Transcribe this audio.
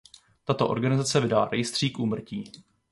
Tato organizace vydala rejstřík úmrtí.